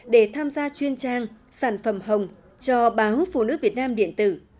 để tham gia chuyên trang sản phẩm hồng cho báo phụ nữ việt nam điện tử